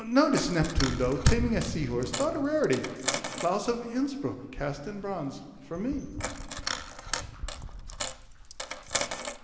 Notice Neptune, though, Taming a sea horse, thought a rarity, Which Claus of Innsbruck cast in bronze for me!